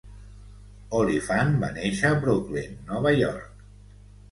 Oliphant va néixer a Brooklyn, Nova York.